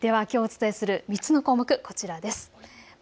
きょうお伝えする３つの項目、こちらです。